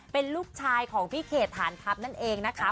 เป็นลูกชายของพี่เขตฐานทัพนั่นเองนะคะ